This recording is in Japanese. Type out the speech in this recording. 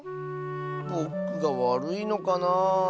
ぼくがわるいのかなあ。